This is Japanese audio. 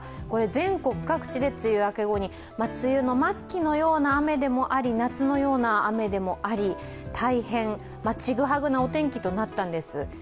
全国各地で梅雨明け後に梅雨の末期のような雨でもあり夏のような雨でもあり大変ちぐはぐなお天気となったんです。